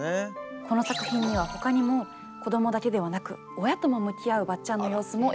この作品にはほかにも子どもだけではなく親とも向き合うばっちゃんの様子も描かれています。